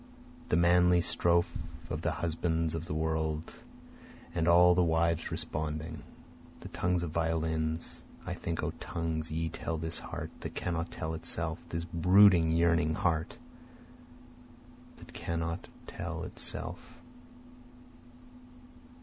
The manly strophe of the husbands of the world, And all the wives responding. The tongues of violins, (I think O tongues ye tell this heart, that cannot tell itself, This brooding yearning heart, that cannot tell itself.)